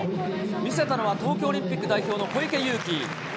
見せたのは東京オリンピック代表の小池祐貴。